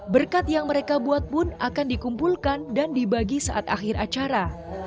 berkat yang mereka buat pun akan dikumpulkan dan dibagi saat akhir acara